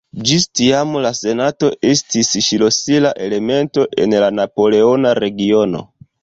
Ĝis tiam la Senato estis ŝlosila elemento en la Napoleona reĝimo.